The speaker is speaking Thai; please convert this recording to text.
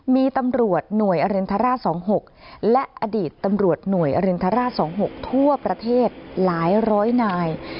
มีตำรวจหน่วยอรินทราช๒๖และอดีตตำรวจหน่วยอรินทราช๒๖ทั่วประเทศหลายร้อยนาย